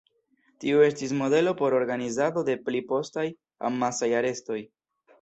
Tio estis modelo por organizado de pli postaj amasaj arestoj.